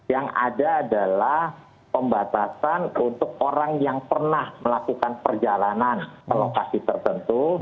yang ada adalah pembatasan untuk orang yang pernah melakukan perjalanan ke lokasi tertentu